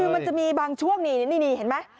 คือมันจะมีบางช่วงนี่เห็นไหม